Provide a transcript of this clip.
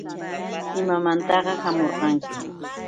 ¿Imamantaq hamurqanki?